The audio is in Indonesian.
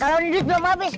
kalo ini duit belum habis